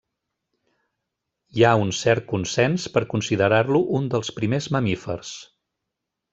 Hi ha un cert consens per considerar-lo un dels primers mamífers.